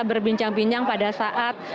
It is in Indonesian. berbincang bincang pada saat